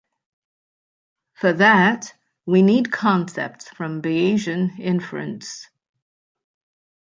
For that, we need concepts from Bayesian inference.